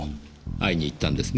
会いに行ったんですね？